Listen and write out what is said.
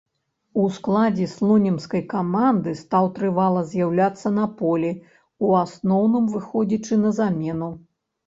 У складзе слонімскай каманды стаў трывала з'яўляцца на полі, у асноўным выходзячы на замену.